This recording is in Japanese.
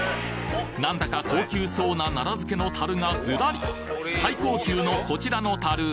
なんだか高級そうな奈良漬の樽がずらり最高級のこちらの樽。